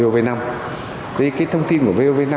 với cái thông tin của vov năm